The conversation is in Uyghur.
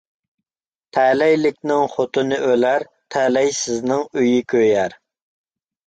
تەلەيلىكنىڭ خوتۇنى ئۆلەر، تەلەيسىزنىڭ ئۆيى كۆيەر.